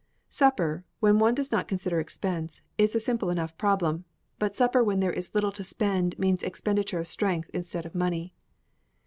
Supper, when one does not consider expense, is a simple enough problem, but supper when there is little to spend means expenditure of strength instead of money.